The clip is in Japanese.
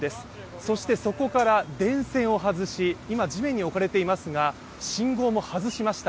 そして、そこから電線を外し、今、地面に置かれていますが信号も外しました。